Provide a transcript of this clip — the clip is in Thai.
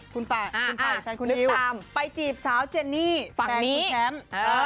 คุณไผ่แฟนคุณดิวไปจีบสาวเจนี่แฟนคุณแชมป์